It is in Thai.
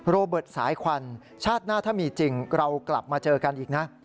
โรเบิร์ตสายควันชาติหน้าถ้ามีจริงเรากลับมาเจอกันอีกนะ